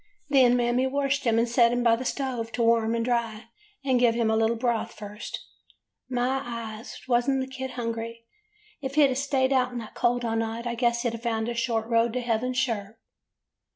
Then Mammy washed him and set him by the stove to warm and dry, and give him a little broth first. My eyes! was n't the kid hungry! If he 'd staid out in the cold all night I guess he 'd found a short road to heaven sure.